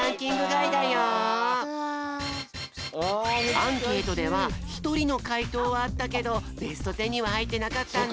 アンケートではひとりのかいとうはあったけどベストテンにははいってなかったんだ。